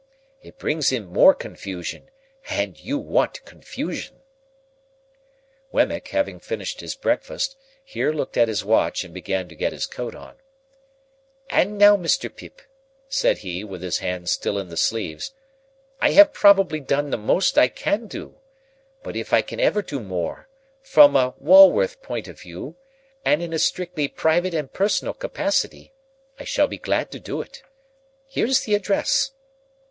It brings in more confusion, and you want confusion." Wemmick, having finished his breakfast, here looked at his watch, and began to get his coat on. "And now, Mr. Pip," said he, with his hands still in the sleeves, "I have probably done the most I can do; but if I can ever do more,—from a Walworth point of view, and in a strictly private and personal capacity,—I shall be glad to do it. Here's the address.